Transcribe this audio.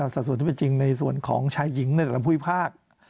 สัดส่วนที่เป็นจริงในส่วนของชายหญิง๑ลำภูมิภาค